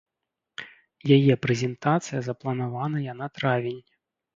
Яе прэзентацыя запланаваная на травень.